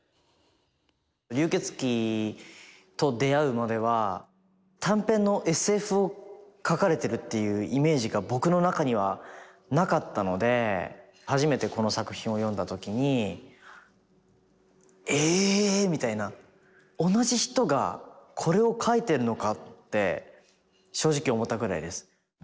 「流血鬼」と出会うまでは短編のＳＦを描かれてるっていうイメージが僕の中にはなかったので初めてこの作品を読んだ時にえっ？みたいな。って正直思ったぐらいです。